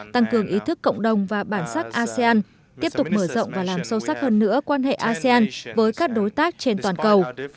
tăng cường ý thức cộng đồng và bản sắc asean tiếp tục mở rộng và làm sâu sắc hơn nữa quan hệ asean với các đối tác trên toàn cầu